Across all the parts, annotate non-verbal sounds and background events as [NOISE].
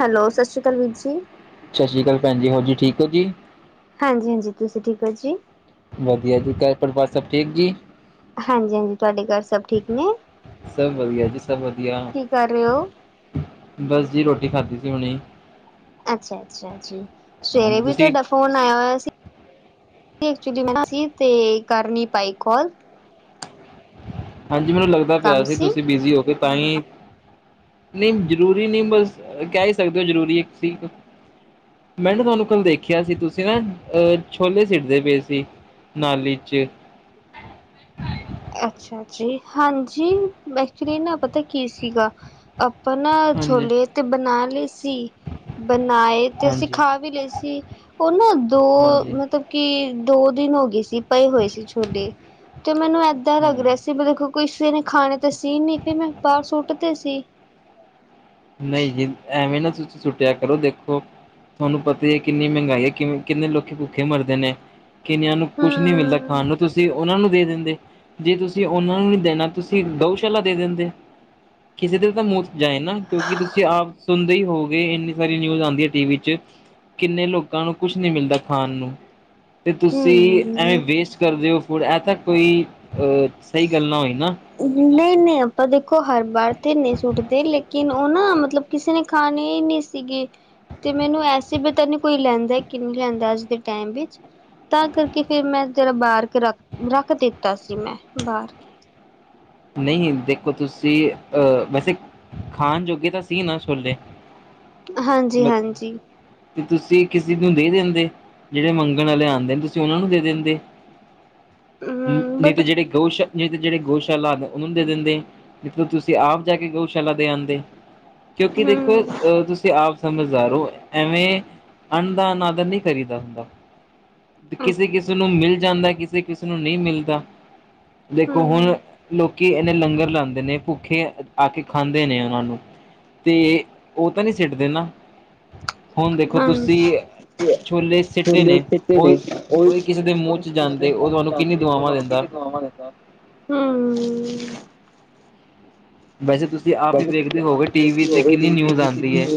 Hello ਸਤਿ ਸ਼੍ਰੀ ਅਕਾਲ ਵੀਰ ਜੀ। ਸਤਿ ਸ਼੍ਰੀ ਅਕਾਲ ਭੈਣ ਜੀ ਹੋਰ ਜੀ ਠੀਕ ਹੋ ਜੀ? ਹਾਂਜੀ-ਹਾਂਜੀ ਤੁਸੀਂ ਠੀਕ ਹੋ ਜੀ? ਵਧੀਆ ਜੀ ਘਰ ਪਰਿਵਾਰ ਸਭ ਠੀਕ ਜੀ? ਹਾਂਜੀ-ਹਾਂਜੀ ਤੁਹਾਡੇ ਘਰ ਸਭ ਠੀਕ ਨੇ, ਸਭ ਵਧੀਆ ਜੀ ਸਭ ਵਧੀਆ ਕੀ ਕਰ ਰਹੇ ਹੋ? ਬਸ ਜੀ ਰੋਟੀ ਖਾਧੀ ਸੀ ਹੁਣੀ। ਅੱਛਾ-ਅੱਛਾ ਜੀ ਸਵੇਰੇ ਹਾਂਜੀ ਵੀ ਤੁਸੀਂ ਤੁਹਾਡਾ ਫੋਨ ਆਇਆ ਹੋਇਆ ਸੀ। ਐਕਚੁਲੀ ਮੈਂ ਤੇ ਕਰਨੀ ਪਾਈ ਕਾਲ। ਹਾਂਜੀ ਮੈਨੂੰ ਲੱਗਦਾ ਪਿਆ ਸੀ ਤੁਸੀਂ ਬਿਜ਼ੀ ਹੋਉਗੇ ਤਾਂ ਹੀ ਨਹੀਂ ਜ਼ਰੂਰੀ ਨਹੀਂ ਬਸ, ਕਹਿ ਹੀ ਸਕਦੇ ਹੋ ਜ਼ਰੂਰੀ ਇੱਕ ਸੀ ਮੈਂ ਨਾ ਤੁਹਾਨੂੰ ਕੱਲ ਦੇਖਿਆ ਸੀ ਤੁਸੀਂ ਨਾ ਅਹ ਛੋਲੇ ਸਿੱਟਦੇ ਪਏ ਸੀ ਨਾਲੀ 'ਚ। ਅੱਛਾ ਜੀ ਹਾਂਜੀ ਐਕਚੁਲੀ ਨਾ ਪਤਾ ਕੀ ਸੀਗਾ ਆਪਾਂ ਨਾ ਹਾਂਜੀ ਛੋਲੇ ਤੇ ਬਣਾ ਲਏ ਸੀ। ਬਣਾਏ ਤੇ ਅਸੀਂ ਹਾਂਜੀ ਖਾ ਵੀ ਲਏ ਸੀ ਉਹ ਨਾ ਦੋ ਹਾਂਜੀ ਮਤਲਬ ਕਿ ਦੋ ਦਿਨ ਹੋ ਗਏ ਸੀ ਪਏ ਹੋਏ ਸੀ ਛੋਲੇ, ਤੇ ਮੈਨੂੰ ਏਦਾਂ ਲੱਗ ਹਾਂ ਰਿਹਾ ਸੀ ਮ ਦੇਖੋ ਕਿਸੇ ਨੇ ਖਾਣੇ ਤੇ ਸੀ ਨੀ ਤੇ ਮੈਂ ਬਾਹਰ ਸੁੱਟ ਤੇ ਸੀ। ਨਹੀਂ ਜੀ ਐਵੇਂ ਨਾ ਤੁਸੀਂ ਸੁੱਟਿਆ ਕਰੋ ਦੇਖੋ ਤੁਹਾਨੂੰ ਪਤਾ ਹੀ ਹੈ ਕਿੰਨੀ ਮਹਿੰਗਾਈ ਹੈ ਕਿਵੇਂ ਕਿੰਨੇ ਲੋਕ ਭੁੱਖੇ ਮਰਦੇ ਨੇ। ਕਿੰਨਿਆਂ ਨੂੰ ਕੁਛ ਨਹੀਂ ਮਿਲਦਾ ਖਾਣ ਹਮ ਨੂੰ ਤੁਸੀਂ ਉਹਨਾਂ ਨੂੰ ਦੇ ਦਿੰਦੇ। ਜੇ ਤੁਸੀਂ ਉਹਨਾਂ ਨੂੰ ਨਹੀਂ ਦੇਣਾ ਤੁਸੀਂ ਗਊਸ਼ਾਲਾ ਦੇ ਦਿੰਦੇ। ਕਿਸੀੇ ਦੇ ਤਾਂ ਮੂੰਹ ਚ ਜਾਏ ਨਾ। ਕਿਉਂਕਿ ਤੁਸੀਂ ਆਪ ਸੁਣਦੇ ਹੀ ਹੋਗੇ ਇੰਨੀ ਸਾਰੀ ਨਿਊਜ਼ ਆਉਂਦੀ ਹੈ ਟੀ ਵੀ ਚ। ਕਿੰਨੇ ਲੋਕਾਂ ਨੂੰ ਕੁਛ ਨੀ ਮਿਲਦਾ ਖਾਣ ਨੂੰ। ਤੇ ਤੁਸੀਂ ਐਵੇਂ ਹਮ ਵੇਸਟ ਕਰਦੇ ਹੋ ਫੂਡ ਇਹ ਤਾਂ ਕੋਈ ਸਹੀ ਗੱਲ ਨਾ ਹੋਈ ਨਾ। ਨਹੀਂ-ਨਹੀਂ ਆਪਾਂ ਦੇਖੋ ਹਰ ਵਾਰ ਤੇ ਨੀ ਸੁੱਟਦੇ ਲੇਕਿਨ ਉਹ ਨਾ ਮਤਲਬ ਕਿਸੇ ਨੇ ਖਾਣੇ ਈ ਨਹੀਂ ਸੀਗੇ। ਤੇ ਮੈਨੂੰ ਐਸੇ ਪਤਾ ਨਹੀਂ ਕੋਈ ਲੈਂਦਾ ਕਿ ਨਹੀਂ ਲੈਂਦਾ ਅੱਜ ਦੇ ਟੈਮ ਵਿੱਚ। ਤਾਂ ਕਰਕੇ ਫੇਰ ਮੈਂ ਤੇਰਾ ਬਾਹਰ ਕੇ ਰ ਰੱਖ ਦਿੱਤਾ ਸੀ ਮੈਂ ਬਾਹਰ। ਨਹੀਂ ਦੇਖੋ ਤੁਸੀਂ ਅਹ ਵੈਸੇ ਖਾਣ ਜੋਗੇ ਤਾਂ ਸੀ ਨਾ ਛੋਲੇ। ਹਾਂਜੀ-ਹਾਂਜੀ ਤੇ ਤੁਸੀਂ ਕਿਸੇ ਨੂੰ ਦੇ ਦਿੰਦੇ, ਜਿਹੜੇ ਮੰਗਣ ਵਾਲੇ ਆਉਂਦੇ ਨੇ ਤੁਸੀਂ ਉਹਨਾਂ ਨੂੰ ਦੇ ਦਿੰਦੇ। ਹਮ ਨਹੀਂ ਬਟ ਤਾਂ ਜਿਹੜੇ ਗਊਸ਼ਾਲ ਨਹੀਂ ਤਾਂ ਜਿਹੜੇ ਗਊਸ਼ਾਲਾ ਨੇ ਉਹਨਾਂ ਨੂੰ ਦੇ ਦਿੰਦੇ। ਨਲ ਤੁਸੀਂ ਤੁਸੀਂ ਆਪ ਜਾ ਕੇ ਗਊਸ਼ਾਲਾ ਦੇ ਆਂਦੇ ਕਿਉਂਕਿ ਦੇਖੋ ਹਮ ਅਹ ਤੁਸੀਂ ਆਪ ਸਮਝਦਾਰ ਹੋ। ਐਵੇਂ, ਅੰਨ ਦਾ ਅਨਾਦਰ ਨਹੀਂ ਕਰੀ ਦਾ ਹੁੰਦਾ। ਕਿਸੇ-ਕਿਸੇ ਨੂੰ ਮਿਲ ਜਾਂਦਾ ਕਿਸੇ ਕਿਸੇ ਨੂੰ ਨਹੀਂ ਮਿਲਦਾ, ਦੇਖੋ ਹੁਣ ਹਮ ਲੋਕੀ ਇਹਨੇ ਲੰਗਰ ਲਾਉਂਦੇ ਨੇ ਭੁੱਖੇ ਆ ਕੇ ਖਾਂਦੇ ਨੇ ਉਹਨਾਂ ਨੂੰ, ਤੇ ਉਹ ਤਾਂ ਨਹੀਂ ਸਿੱਟਦੇ ਨਾ, ਹੁਣ ਦੇਖੋ ਹਾਂਜੀ ਤੁਸੀਂ ਛੋਲੇ ਸਿੱਟੇ ਨੇ ਉਹੀ ਉਹੀ ਕਿਸੇ ਦੇ ਮੂੰਹ ਚ ਜਾਂਦੇ ਉਹ ਤੁਹਾਨੂੰ ਕਿੰਨੀ ਦੁਆਵਾਂ ਦਿੰਦਾ। ਹੂੰ ਵੈਸੇ ਤੁਸੀਂ ਆਪ ਹੀ ਵੇਖਦੇ ਹੋਗੇ ਟੀ ਵੀ ਤੇ ਕਿੰਨੀ ਨਿਊਜ਼ ਆਂਦੀ ਹੈ,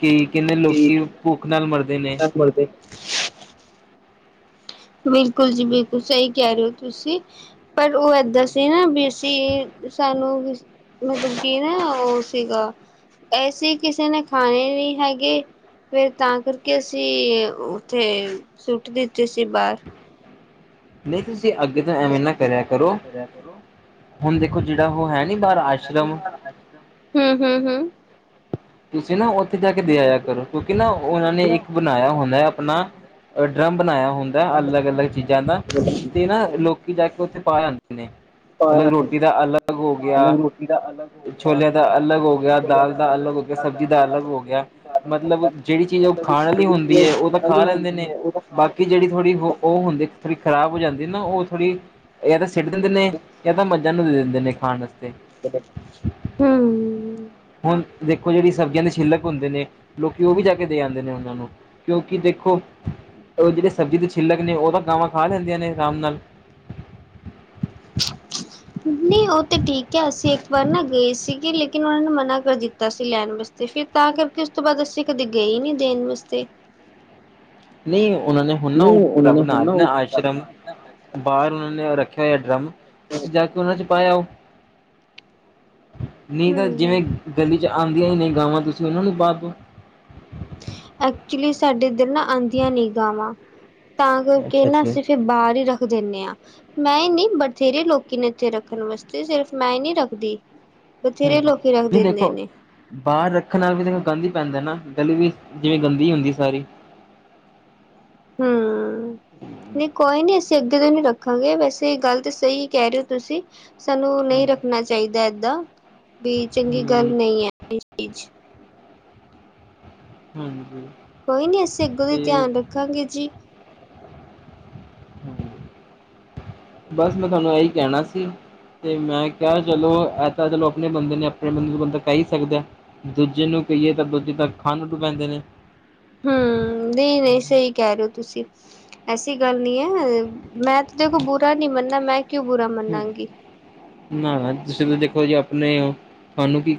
ਕਿ ਕਿੰਨੇ ਲੋਕੀ ਭੁੱਖ ਨਾਲ ਮਰਦੇ ਨੇ। [INAUDIBLE] [UNINTELLIGIBLE] ਬਿਲਕੁਲ ਜੀ, ਬਿਲਕੁਲ ਸਹੀ ਕਹਿ ਰਹੇ ਹੋ ਤੁਸੀਂ ਪਰ ਉਹ ਏਦਾਂ ਸੀ ਨਾ ਵੀ ਜੀ, ਸਾਨੂੰ ਮਤਲਬ ਕੀ ਨਾ ਉਹ ਸੀਗਾ ਐਸੀ, ਕਿਸੇ ਨੇ ਖਾਣੇ ਨਹੀਂ ਹੈਗੇ। ਫੇਰ, ਤਾਂ ਕਰਕੇ ਅਸੀਂ ਉੱਥੇ ਸੁੱਟ ਦਿੱਤੀ ਸੀ ਬਾਹਰ। ਨਹੀਂ, ਤੁਸੀਂ ਅੱਗੇ ਤੋਂ ਐਵੇਂ ਇਨਾ ਕਰਿਆ ਕਰੋ ਕਰੋ। ਹੁਣ ਦੇਖੋ, ਜਿਹੜਾ ਉਹ ਹੈ ਨੀ ਬਾਹਰ ਆਸ਼ਰਮ [INAUDIBLE] [UNINTELLIGIBLE] ਹੂੰ, ਹੂੰ, ਹੂੰ। ਤੁਸੀਂ ਨਾ ਉੱਥੇ ਜਾ ਕੇ ਦੇ ਆਇਆ ਕਰੋ, ਕਿਉਂਕਿ ਨਾ ਉਹਨਾਂ ਨੇ ਇੱਕ ਬਣਾਇਆ ਹੁੰਦਾ ਹੈ ਆਪਣਾ ਡਰੱਮ ਬਣਾਇਆ ਹੁੰਦਾ ਅਲੱਗ -ਅਲੱਗ ਚੀਜ਼ਾਂ ਦਾ ਤੇ ਨਾ ਲੋਕੀ ਜਾ ਕੇ ਉੱਥੇ ਪਾ ਜਾਂਦੇ ਨੇ। ਮਤਲਬ ਰੋਟੀ ਦਾ ਅਲੱਗ ਹੋ ਗਿਆ, ਛੋਲਿਆਂ ਦਾ ਅਲੱਗ ਹੋ ਗਿਆ ਦਾਲ ਦਾ ਅਲੱਗ ਹੋ ਗਿਆ, ਸਬ ਦਾ ਅਲੱਗ ਹੋ ਗਿਆ ਮਤਲਬ ਜਿਹੜੀ ਚੀਜ਼ ਉਹ ਖਾਣ ਆਲੀ ਹੁੰਦੀ ਹੈ ਉਹ ਤਾਂ ਖਾ ਲੈਂਦੇ ਨੇ ਬਾਕੀ ਜਿਹੜੀ ਥੋੜੀ ਉਹ ਹੁੰਦੀ, ਥੋੜੀ ਖਰਾਬ ਹੋ ਜਾਂਦੀ ਨਾ ਉਹ ਥੋੜੀ ਜਾਂ ਤਾਂ ਸਿੱਟ ਦਿੰਦੇ ਨੇ, ਜਾਂ ਤਾਂ ਮੱਝਾਂ ਨੂੰ ਦੇ ਦਿੰਦੇ ਨੇ ਖਾਣ ਵਾਸਤੇ। ਹੂੰ। ਹੁਣ ਦੇਖੋ, ਜਿਹੜੀ ਸਬਜ਼ੀਆਂ ਦੇ ਛਿੱਲਕ ਹੁੰਦੇ ਨੇ, ਲੋਕੀ ਉਹ ਵੀ ਜਾ ਕੇ ਦੇ ਆਉਂਦੇ ਨੇ ਉਹਨਾਂ ਨੂੰ। ਕਿਉਂਕਿ ਦੇਖੋ, ਉਹ ਜਿਹੜੇ ਸਬਜ਼ੀ ਦੇ ਛਿੱਲਕ ਨੇ ਉਹ ਤਾਂ ਗਾਵਾਂ ਖਾ ਲੈਂਦੀਆਂ ਨੇ ਆਰਾਮ ਨਾਲ ਨਹੀਂ [UNINTELLIGIBLE] ਉਹ ਤੇ ਠੀਕ ਹੈ ਅਸੀਂ ਪਰ ਨ ਗਏ ਸੀਗੇ ਲੇਕਿਨ ਉਹਨਾਂ ਨੇ ਮਨਾ ਕਰ ਦਿੱਤਾ ਸੀ ਲੈਣ ਵਾਸਤੇ ਫਿਰ ਤਾਂ ਕਰਕੇ ਉਸ ਤੋਂ ਬਾਅਦ, ਅਸੀਂ ਕਦੇ ਗਏ ਨੀ ਦੇਣ ਵਾਸਤੇ। ਨਹੀਂ, ਉਹਨਾਂ ਨੇ ਹੁਣ ਨਾ ਉਹ ਰੱਬ ਨਾ ਲਣਾ ਆਸ਼ ਸ਼ਰਮ, ਬਾਹਰ ਉਹਨਾਂ ਨੇ ਰੱਖਿਆ ਹੋਇਆ ਡਰਮ ਤੁਸੀਂ ਜਾ ਕੇ ਉਹਨਾਂ ਚ ਪਾਇ ਆਓ। ਨਹੀਂ ਤਾਂ ਜਿਵੇਂ, ਹਮ ਗਲੀ ਚ ਆਉਂਦੀਆਂ ਹੀ ਨੇ ਗਾਵਾਂ ਤੁਸੀਂ ਉਹਨਾਂ ਨੂੰ ਪਾ ਦਿਓ। ਐਕਚੁਲੀ, ਸਾਡੇ ਦਿਲ ਨਾ ਆਉਂਦੀਆਂ ਨੀ ਗਾਵਾਂ। ਤਾਂ ਕਰਕੇ ਅੱਛਾ ਨਾ, ਜੀ। ਅਸੀਂ ਫਿਰ ਬਾਹਰ ਹੀ ਰੱਖ ਦਿੰਦੇ ਹਾਂ। ਮੈਂ ਹੀ ਨਹੀ, ਬਥੇਰੇ ਲੋਕੀ ਨੇ ਇੱਥੇ ਰੱਖਣ ਵਾਸਤੇ ਸਿਰਫ਼ ਮੈਂ ਈ ਨਹੀਂ ਰੱਖਦੀ। ਬਥੇਰੇ ਹੂੰ, ਲੋਕੀ ਰੱਖ ਵੀ ਦਿੰਦੇ ਦੇਖੋ ਨੇ ਬਾਹਰ ਰੱਖਣ ਨਾਲ ਵੀ, ਗੰਦ ਹੀ ਪੈਂਦਾ ਨਾ, ਗਲੀ ਵੀ ਜਿਵੇਂ ਗੰਦੀ ਹੁੰਦੀ ਸਾਰੀ। ਹੂੰ। ਨਹੀਂ, ਕੋਈ ਨੀ ਅਸੀਂ ਅੱਗੇ ਤੋਂ ਨੀ ਰੱਖਾਂਗੇ ਵੈਸੇ ਗੱਲ ਤਾਂ ਸਹੀ ਕਹਿ ਰਹੇ ਹੋ ਤੁਸੀਂ। ਸਾਨੂੰ ਨਹੀਂ ਰੱਖਣਾ ਚਾਹੀਦਾ ਏਦਾਂ ਬੀ ਚੰਗੀ ਗੱਲ ਹੂੰ ਨਹੀਂ ਹੈ ਚੀਜ਼ ਹੰਜੀ। ਕੋਈ ਨਹੀਂ, ਅਸੀਂ ਅੱਗੋਂ ਦੀ ਧਿਆਨ ਰੱਖਾਂਗੇ ਜੀ। [INAUDIBLE] [INAUDIBLE] ਬਸ, ਮੈਂ ਤੁਹਾਨੂੰ ਇਹੀ ਕਹਿਣਾ ਸੀ। ਤੇ ਮੈਂ ਕਿਹਾ ਚਲੋ ਐ ਤਾਂ ਚਲੋ ਆਪਣੇ ਬੰਦੇ ਨੇ, ਆਪਣੇ ਬੰਦੇ ਨੂੰ ਬੰਦਾ ਕਹਿ ਹੀ ਸਕਦਾ। ਦੂਜੇ ਨੂੰ ਕਹੀਏ ਤਾਂ ਦੂਜੇ ਤਾਂ ਖਾਣ ਨੂੰ ਪੈਂਦੇ ਨੇ ਹੂੰ ਨਹੀਂ, ਨਹੀਂ ਸਹੀ ਕਹਿ ਰਹੇ ਹੋ ਤੁਸੀਂ। ਐਸੀ ਗੱਲ ਨੀ ਹੈ, ਮੈਂ ਤੇ ਦੇਖੋ ਬੁਰਾ ਨੀ ਮੰਨਨਾ, ਮੈਂ ਕਿਉਂ ਬੁਰਾ ਮੰਨਾਗੀ? ਨਾ, ਤੁਸੀਂ ਤਾਂ ਦੇਖੋ ਜੀ ਆਪਣੇ ਹੋ। ਥੋਨੂੰ ਕੀ,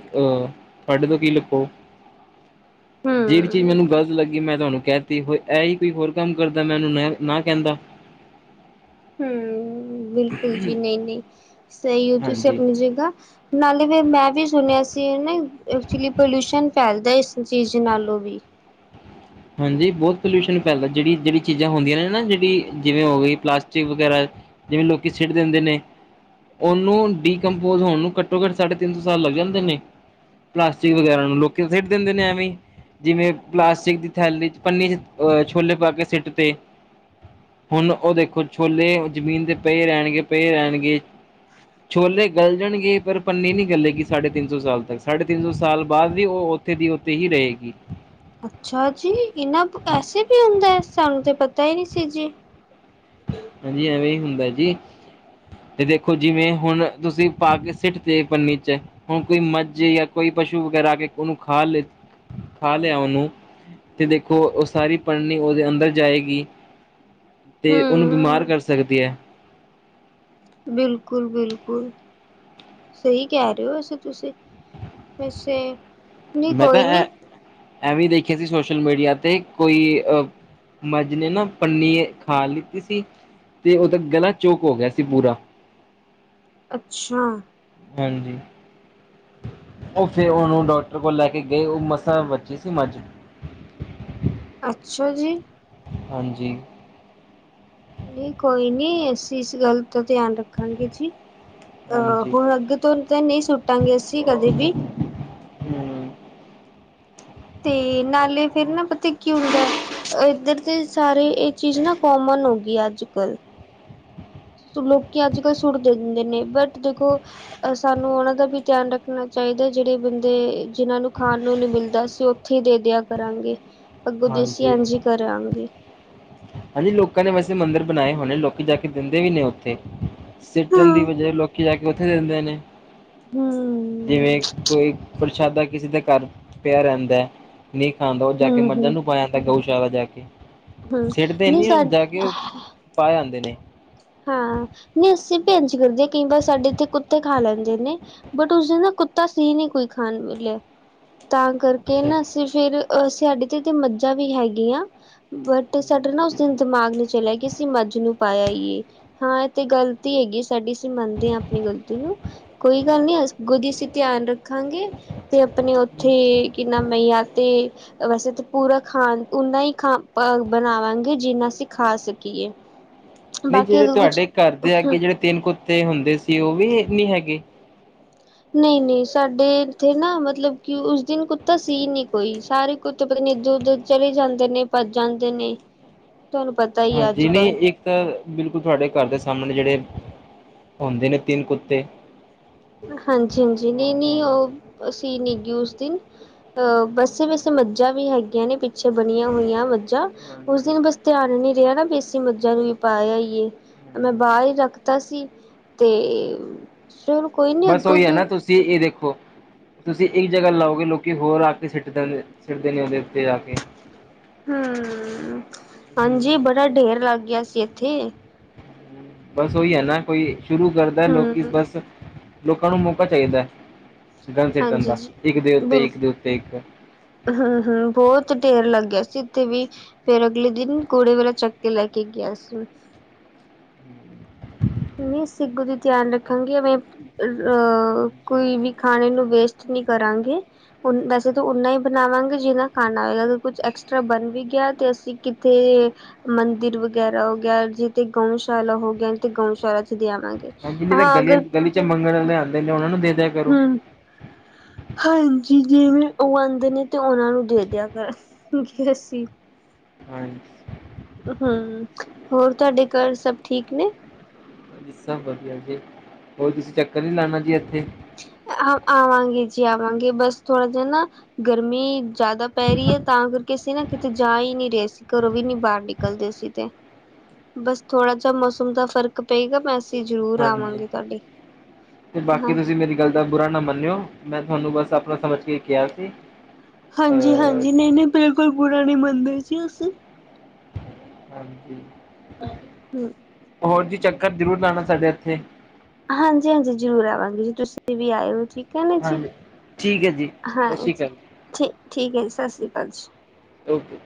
ਤੁਹਾਡੇ ਤੋਂ ਕੀ ਲੱੱਕੋ। [INAUDIBLE] [INAUDIBLE] ਜਿਹੜੀ ਚੀਜ਼ ਹੂੰ। ਮੈਨੂੰ ਗ਼ਲਤ ਲੱਗੀ ਮੈਂ ਤੁਹਾਨੂੰ ਕਹਿ ਦਿੱਤੀ ਇਹੀ ਕੋਈ ਹੋਰ ਕੰਮ ਕਰਦਾ, ਮੈਂ ਉਹਨੂੰ ਨਾ ਕਹਿੰਦਾ। ਹੂੰ, ਬਿਲਕੁਲ ਜੀ ਨਹੀਂ, ਨਹੀਂ ਸਹੀ ਹੋ ਤੁਸੀਂ ਹਾਂਜੀ ਆਪਣੀ ਜਗ੍ਹਾ ਨਾਲੇ ਫਿਰ ਮੈਂ ਵੀ ਸੁਣਿਆ ਸੀ ਨਾ, ਐਕਚੁਲੀ ਪੋਲਿਊਸ਼ਨ ਫੈਲਦਾ ਇਸ ਚੀਜ਼ ਨਾਲੋਂ ਵੀ। ਹਾਂਜੀ, ਬਹੁਤ ਪੋਲਿਊਸ਼ਨ ਫੈਲਦਾ ਜਿਹੜੀ ਜਿਹੜੀ ਚੀਜ਼ਾਂ ਹੁੰਦੀਆਂ ਨੇ ਨਾ ਜਿਹੜੀ ਜਿਵੇਂ ਹੋ ਗਈ ਪਲਾਸਟਿਕ ਵਗੈਰਾ ਜਿਵੇਂ, ਲੋਕੀ ਛਿੱਡ ਦਿੰਦੇ ਨੇ ਉਹਨੂੰ ਡੀਕਪੋਜ ਹੋਣ ਨੂੰ, ਘੱਟੋ ਘੱਟ ਸਾਢੇ ਤਿੰਨ ਸੋ ਸਾਲ ਲੱਗ ਜਾਂਦੇ ਨੇ। ਪਲਾਸਟਿਕ ਵਗੈਰਾ ਨੂੰ ਲੋਕੀ ਖੇਡ ਦਿੰਦੇ ਨੇ ਐਵੇਂ ਜਿਵੇਂ ਪਲਾਸਟਿਕ ਦੀ ਥੈਲੀ ਚ ਪੰਨੀ ਚ ਅਹ ਛੋਲੇ ਪਾ ਕੇ ਸਿੱਟ ਤੇ ਹੁਣ ਉਹ ਦੇਖੋ ਛੋਲੇ ਜ਼ਮੀਨ ਤੇ ਪਏ ਰਹਿਣਗੇ ਪਏ ਰਹਿਣਗੇ। ਛੋਲੇ ਗਲ ਜਾਣਗੇ ਪਰ ਪੰਨੀ ਨੀ ਗੱਲੇਗੀ ਸਾਢੇ ਤਿੰਨ ਸੌ ਸਾਲ ਤੱਕ ਸਾਢੇ ਤਿੰਨ ਸੌ ਸਾਲ ਬਾਅਦ ਵੀ ਉਹ ਉੱਥੇ ਦੀ ਉੱਥੇ ਹੀ ਰਹੇਗੀ। ਅੱਛਾ ਜੀ ਇਹਨਾਂ ਐਸੇ ਵੀ ਹੁੰਦਾ ਹੈ ਸਾਨੂੰ ਤੇ ਪਤਾ ਹੀ ਨਹੀਂ ਸੀ ਜੀ। ਹਾਂਜੀ ਐਵੇਂ ਹੀ ਹੁੰਦਾ ਜੀ ਤੇ ਦੇਖੋ ਜਿਵੇਂ ਹੁਣ ਤੁਸੀਂ ਪਾ ਕੇ ਸਿੱਟ ਤੇ ਪੰਨੀ ਚ ਹੁਣ ਕੋਈ ਮੱਝੇ ਜਾਂ ਕੋਈ ਪਸ਼ੂ ਵਗੈਰਾ ਆ ਕੇ। ਉਹਨੂੰ ਖਾ ਲ ਖਾ ਲਿਆ ਉਹਨੂੰ ਤੇ ਦੇਖੋ ਉਹ ਸਾਰੀ ਪੜ੍ਹਨੀ ਉਹਦੇ ਅੰਦਰ ਜਾਏਗੀ। ਅਤੇ ਉਹਨੂੰ ਬਿਮਾਰ ਹੂੰ, ਕਰ ਸਕਦੀ ਹੈ। ਬਿਲਕੁਲ ਬਿਲਕੁਲ। ਸਹੀ ਕਹਿ ਰਹੇ ਹੋ ਵੈਸੇ ਤੁਸੀਂ ਵੈਸੇ ਨਹੀਂ ਮੈਂ ਤਾਂ ਕੋਈ ਐ ਨਹੀਂ ਐਵੇਂ ਦੇਖਿਆ ਸੀ ਸੋਸ਼ਲ ਮੀਡੀਆ ਤੇ ਕੋਈ ਅ ਮੱਝ ਨੇ ਨਾ ਪੰਨੀ ਖਾ ਲਿੱਤੀ ਸੀ ਤੇ ਉਹਦਾ ਗਲਾ ਚੋਕ ਹੋ ਗਿਆ ਸੀ ਪੂਰਾ। ਅੱਛਾ। ਹਾਂਜੀ। ਉਹ ਫੇਿਰ ਉਹਨੂੰ ਡਾਕਟਰ ਕੋਲ ਲੈ ਕੇ ਗਏ ਉਹ ਮਸਾਂ ਬਚੇ ਸੀ ਮੱਝ। ਅੱਛਾ ਜੀ। ਹਾਂਜੀ। ਨਹੀਂ ਕੋਈ ਨੀ ਅਸੀਂ ਇਸ ਗੱਲ ਦਾ ਧਿਆਨ ਰੱਖਾਂਗੇ ਜੀ। ਆਹ ਹਾਂਜੀ ਹੁਣ ਅੱਗੇ ਤੋਂ ਨਹੀਂ ਸੁੱਟਾਂਗੇ ਅਸੀਂ ਕਦੇ ਵੀ। ਹੂੰ ਤੇ ਨਾਲੇ ਫੇਰ ਨਾ ਪਤਾ ਕੀ ਉਡਦਾ ਇੱਧਰ ਦੇ ਸਾਰੇ ਚੀਜ਼ ਨਾ ਕੋਮਨ ਹੋ ਗਈ ਅੱਜ ਕੱਲ੍ਹ। ਲੋਕੀ ਅੱਜ ਕੱਲ੍ਹ ਸੁੱਟ ਦਿੰਦੇ ਨੇ ਬਟ ਦੇਖੋ। ਅ ਸਾਨੂੰ ਉਹਨਾਂ ਦਾ ਵੀ ਧਿਆਨ ਰੱਖਣਾ ਚਾਹੀਦਾ ਜਿਹੜੇ ਬੰਦੇ ਜਿਹਨਾਂ ਨੂੰ ਖਾਣ ਨੂੰ ਨੀ ਮਿਲਦਾ ਸੀ। ਉੱਥੇ ਦੇ ਦਿਆ ਕਰਾਂਗੇ ਅੱਗੋਂ ਦੇਸੀ ਹਾਂਜੀ ਇੰਜ ਕਰਾਂਗੇ। ਹਾਂਜੀ ਲੋਕਾਂ ਨੇ ਵੈਸੇ ਮੰਦਿਰ ਬਣਾਏ ਹੋਣੇ ਲੋਕੀ ਜਾ ਕੇ ਦਿੰਦੇ ਵੀ ਨੇ ਉੱਥੇ। ਸਿੱਟਣ ਦੀ ਹਮ ਵਜਾ ਲੋਕੀ ਜਾ ਕੇ ਉੱਥੇ ਦਿੰਦੇ ਨੇ। ਹਮ। ਜਿਵੇਂ ਕੋਈ ਪ੍ਰਸ਼ਾਦਾ ਕਿਸੇ ਦਾ ਘਰ ਪਿਆ ਰਹਿੰਦਾ ਨਹੀਂ ਖਾਂਦਾ ਮਜ਼ਾਂ ਹਮ ਨੂੰ ਪਾਇਆ ਜਾਂਦਾ ਗਊਸ਼ਾਲਾ ਜਾ ਕੇ ਹਮ ਸਿਟ ਤੇ ਨਹੀਂ ਸਾ ਨ ਜਾ ਕੇ ਉਹ ਪਾ ਆਂਦੇ ਨੇ। ਹਾਂ ਨਹੀਂ ਅਸੀਂ ਭੇ ਕਰਦੇ ਕਈ ਵਾਰ ਸਾਡੇ ਇੱਥੇ ਕੁੱਤੇ ਖਾ ਲੈਂਦੇ ਨੇ ਬਟ ਉਸਦੇ ਨਾ ਕੁੱਤਾ ਸੀ ਨਹੀਂ ਕੋਈ ਖਾਣ ਮਿਲਿਆ ਤਾਂ ਕਰਕੇ ਅੱਛਾ, ਨਾ ਅਸੀਂ ਫੇਿਰ ਸਾ ਸਾਡੇ ਤੇ ਤੇ ਮੱਝਾਂ ਵੀ ਹੈਗੀਆਂ ਬਟ ਸਾਡੇ ਨਾ ਉਸ ਦਿਨ ਦਿਮਾਗ ਨੂੰ ਚਲਿਆ ਕਿ ਅਸੀਂ ਮੱਝ ਨੂੰ ਪਾਇਆ ਏ ਹਾਂ ਇਹ ਤੇ ਗ਼ਲਤੀ ਹੈਗੀ ਸਾਡੀ ਅਸੀਂ ਮੰਨਦੇ ਹਾਂ ਆਪਣੀ ਗ਼ਲਤੀ ਨੂੰ। ਕੋਈ ਗੱਲ ਨੀ ਅਗੁਝਸੀ ਧਿਆਨ ਰੱਖਾਂਗੇ ਤੇ ਆਪਣੇ ਉੱਥੇ ਕਿ ਨਾਮ ਈ ਆ ਤੇ ਵੈਸੇ ਤਾਂ ਪੂਰਾ ਖਾਣ ਓਨਾ ਹੀ ਖਾ ਅ ਬਣਾਵਾਂਗੇ ਜਿੰਨਾ ਅਸੀਂ ਖਾ ਸਕੀਏ। ਹ। ਨਹੀਂ ਜਿਹੜੇ ਤੁਹਾਡੇ ਘਰ ਦੇ ਅਗੇ ਜਿਹੜੇ ਤਿੰਨ ਕੁੱਤੇ ਹੁੰਦੇ ਸੀ ਉਹ ਵੀ ਨਹੀਂ ਹੈਗੇ। ਨਹੀਂ ਨਹੀਂ ਸਾਡੇ ਇੱਥੇ ਨਾ ਮਤਲਬ ਕਿ ਉਸ ਦਿਨ ਕੁੱਤਾ ਸੀ ਨਹੀਂ ਕੋਈ ਸਾਰੇ ਕੁ ਪਤਾਨੀ ਇੱਧਰ ਉੱਧਰ ਚਲੀ ਜਾਂਦੇ ਨੇ ਭੱਜ ਜਾਂਦੇ ਨੇ। ਤੁਹਾਨੂੰ ਪਤਾ ਹੀ ਹਾਂ ਆ ਅੱਜ ਜਿਨ ਕੱਲ੍ਹ ਇੱਕ ਤਾਂ ਬਿਲਕੁਲ ਤੁਹਾਡੇ ਘਰ ਦੇ ਸਾਹਮਣੇ ਜਿਹੜੇ ਹੁੰਦੇ ਨੇ ਤਿੰਨ ਕੁੱਤੇ। ਹਾਂਜੀ ਹਾਂਜੀ ਹਾਂ ਨਹੀਂ ਹਾਂ ਨਹੀਂ ਉਹ ਅਸੀਂ ਨ ਗ ਉਸ ਦਿਨ। ਅਹ ਵਸੇ ਵੈਸੇ ਮੱਝਾਂ ਵੀ ਹੈਗੀਆਂ ਨੇ ਪਿੱਛੇ ਬਣੀਆਂ ਹੋਈਆਂ ਮੱਝਾਂ ਉਸ ਹਾਂਜੀ ਦਿਨ ਬਸ। ਧਿਆਨ ਈ ਨੀ ਰਿਹਾ ਨਾ ਬੇਸੀ ਮੱਝਾਂ ਨੂੰ ਹੀ ਪਾਇਆ ਹੀ ਏ ਮੈਂ ਬਾਹਰ ਹੀ ਰੱਖਤਾ ਸੀ। ਤੇ ਸ਼ੂ। [UNINTELLIGIBLE] ਬਸ ਓਹੀ ਹੈ ਨਾ ਤੁਸੀਂ ਇਹ ਦੇਖੋ। ਤੁਸੀਂ ਇੱਕ ਜਗ੍ਹਾ ਲਾਓਗੇ ਲੋਕੀ ਹੋਰ ਆ ਕੇ ਸਿੱਟ ਦ ਸਿੱਟਦੇ ਨੇ ਉਹਦੇ ਉੱਤੇ ਆ ਕੇ। ਹ ਹਾਂਜੀ ਬੜਾ ਢੇਰ ਲੱਗ ਗਿਆ ਸੀ ਇੱਥੇ। ਬਸ ਉਹੀ ਹੈ ਨਾ ਕੋਈ ਸ਼ੁਰੂ ਕਰਦਾ ਲੋਕੀ ਹਮ ਬਸ। ਲੋਕਾਂ ਨੂੰ ਮੌਕਾ ਚਾਹੀਦਾ ਗੰਦ ਸਿੱਟਣ ਹਾਂਜੀ ਦਾ ਜੀ ਇੱਕ ਦੇ ਉੱਤੇ ਇੱਕ ਦੇ ਉੱਤੇ ਇੱਕ। ਹ ਹ ਬਹੁਤ ਢੇਰ ਲੱਗਿਆ ਸੀ ਇੱਥੇ ਵੀ। ਫੇਰ ਅਗਲੇ ਦਿਨ ਕੁੜੇ ਵਾਲਾ ਚੱਕ ਕੇ ਲੈ ਕੇ ਗਿਆ ਸੀ। [INAUDIBLE] [INAUDIBLE] ਨਹੀਂ ਅਗੋ ਦੀ ਧਿਆਨ ਰੱਖਾਂਗੇ ਵੇਂ ਅਹ ਹਾਂਜੀ ਕੋਈ ਵੀ ਖਾਣੇ ਨੂੰ ਵੇਸਟ। ਨੀ ਕਰਾਂਗੇ। ਹੁਨ ਤਾਂ ਜਦੋਂ ਓਨਾ ਹੀ ਬਨਾਵਾਂਗੇ ਜਿਹਨਾ ਖਾਨਾ ਹੋਵੇਗਾ ਜੇ ਕੁਛ ਐਕਸਟਰਾ ਬਨ ਵੀ ਗਿਆ ਤੇ ਅਸੀਂ ਕਿਤੇ। ਮੰਦਿਰ ਵਗੈਰਾ ਹੋ ਗਿਆ ਜਿੇਤੇ ਗਊਸ਼ਾਲਾ ਹੋ ਗਿਆ ਤੇ ਗਊਸ਼ਾਲਾ ਚ ਦੇ ਆਵਾਂਗੇ। ਹਾਂਜੀ ਨਹੀਂ ਤਾਂ ਹਾਂ ਗਲੀ ਅਗਰ ਗਲੀ ਚ ਮੰਗਣ ਵਾਲੇ ਆਂਦੇ ਨੇ ਉਹਨਾ ਨੂੰ ਦੇ ਦਿਆ ਕਰੋ। ਹੂੰ ਹਾਂਜੀ ਜਿਵੇਂ ਉਹ ਆਂਦੇ ਨੇ ਤੇ ਉਹਨਾਂ ਨੂੰ ਦੇ ਦਿਆ ਕਰਗੇ ਅਸੀਂ। ਹਾਂਜੀ। ਹੁ ਹੋਰ ਤੁਹਾਡੇ ਘਰ ਸਭ ਠੀਕ ਨੇ। ਸਭ ਵਧੀਆ ਜੀ ਹੋਰ ਤੁਸੀਂ ਚੱਕਰ ਨੀ ਲਾਨਾ ਜੀ ਇੱਥੇ। ਆਵਾਂਗੇ ਜੀ ਆਵਾਂਗੇ ਬਸ ਥੋੜਾ ਜਿਹਾ ਨਾ ਗਰਮੀ। ਜ਼ਿਆਦਾ ਪੈ ਰਹੀ ਹੈ ਤਾਂ ਕਰਕੇ ਅਸੀਂ ਨਾ ਕਿਤੇ ਜਾ ਹੀ ਨਹੀਂ ਰਹੇ ਸੀ ਘਰੋਂ ਵੀ ਨੀ ਬਾਹਰ ਨਿਕਲਦੇ ਸੀ ਤੇ। ਬਸ ਥੋੜਾ ਜਿਹਾ ਮੌਸਮ ਦਾ ਫ਼ਰਕ ਪਏਗਾ ਵੈਸੇ ਜ਼ਰੂਰ ਹਾਂਜੀ ਆਵਾਂਗੇ ਤੁਹਾਡੇ ਤੇ ਬਾਕੀ ਹਾਂ ਤੁਸੀਂ ਮੇਰੀ ਗੱਲ ਦਾ ਬੁਰਾ ਨਾ ਮੰਨਿਓ ਮੈਂ ਤੁਹਾਨੂੰ ਬਸ ਅਪਨਾ ਸਮਝ ਕੇ ਕਿਹਾ ਸੀ। ਹਾਂਜੀ ਅ ਹਾਂਜੀ ਨਹੀਂ ਨਹੀਂ ਬਿਲਕੁਲ ਬੁਰਾ ਨਹੀਂ ਮੰਦੇ ਜੀ ਅਸੀ ਹਾਂਜੀ ਹੋਰ ਜੀ ਚੱਕਰ ਜ਼ਰੂਰ ਲਾਣਾ ਸਾਡੇ ਏਥੇ। ਹਾਂਜੀ ਹਾਂਜੀ ਜ਼ਰੂਰ ਆਵਾਂਗੇ ਜੀ ਤੁਸੀਂ ਵੀ ਆਇੳ ਜੀ। ਕਹਿੰਦੇ ਜੀ ਹਾਂਜੀ ਠੀਕ ਹੈ ਜੀ ਹਾਂ ਸਤਿ ਸ਼੍ਰੀ ਜੀ ਅਕਾਲ ਠੀ ਠੀਕ ਹੈ ਜੀ ਸਤ ਸ਼੍ਰੀ ਅਕਾਲ ਜੀ ਓਕੇ